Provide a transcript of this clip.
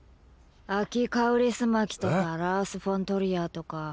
アキ・カウリスマキとかラース・フォン・トリアーとか。